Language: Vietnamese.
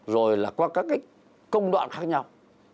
rồi là qua các công đoạn khác nhau